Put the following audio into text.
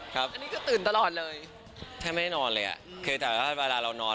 ครับอันนี้คือตื่นตลอดเลยแทบไม่ได้นอนเลยอ่ะคือแต่ว่าเวลาเรานอน